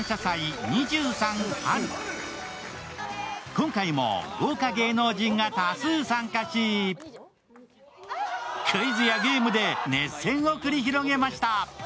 今回も豪華芸能人が多数参加し、クイズやゲームで熱戦を繰り広げました。